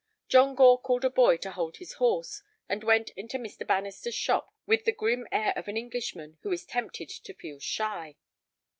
John Gore called a boy to hold his horse, and went into Mr. Bannister's shop with the grim air of an Englishman who is tempted to feel shy.